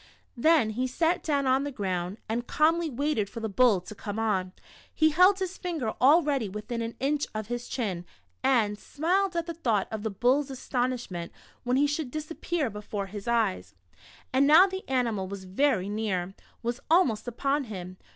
Then he sat down on the ground, and calmly waited for the bull to come on ! He held his finger all ready within an inch of his chin, and What the Squirrel Did for Richard. 107 smiled at the thought of the bull's astonishment when he should disappear before his eves. And now the animal was ver} near, was almost upon him.